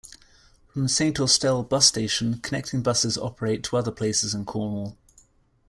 From Saint Austell Bus Station connecting buses operate to other places in Cornwall.